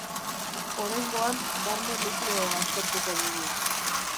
Oraingoan barne nukleoa aztertuko dugu.